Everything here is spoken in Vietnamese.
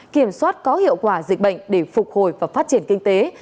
kiểm soát có hiệu quả dịch bệnh để phục hồi và phát triển kinh tế